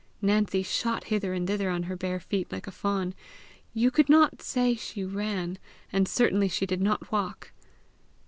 Nancy shot hither and thither on her bare feet like a fawn you could not say she ran, and certainly she did not walk.